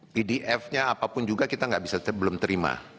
pdf nya apapun juga kita belum terima